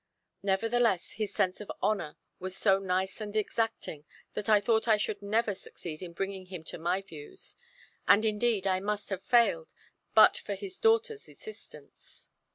Nevertheless, his sense of honour was so nice and exacting, that I thought I should never succeed in bringing him to my views; and indeed I must have failed but for his daughter's assistance.